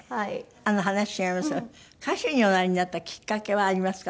話違いますが歌手におなりになったきっかけはありますか？